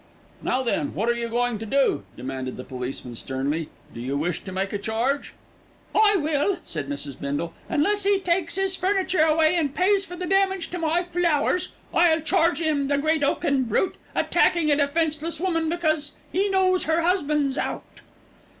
"Now then, what are you going to do?" demanded the policeman sternly. "Do you wish to make a charge?" "I will," said Mrs. Bindle, "unless 'e takes 'is furniture away and pays for the damage to my flowers. I'll charge 'im, the great, 'ulking brute, attacking a defenceless woman because he knows 'er 'usband's out."